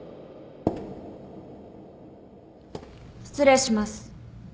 失礼します。